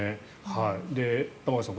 玉川さん